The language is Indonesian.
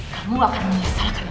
kamu akan menyesalkan